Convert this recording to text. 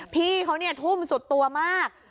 พี่เขาทุ่มสุดตัวมาก